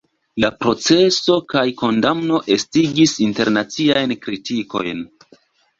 La proceso kaj kondamno estigis internaciajn kritikojn.